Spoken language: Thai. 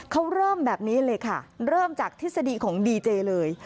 เขาเริ่มแบบนี้เลยค่ะเริ่มจากทฤษฎีของดีเจเลย